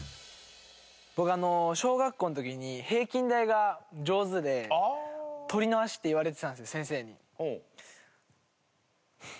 僕小学校の時に平均台が上手で鳥の足って言われてたんですよ先生に。